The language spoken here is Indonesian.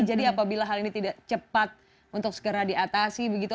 jadi apabila hal ini tidak cepat untuk segera diatasi begitu